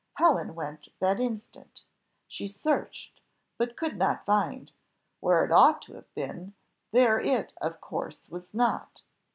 Helen went that instant. She searched, but could not find; where it ought to have been, there it of course was not.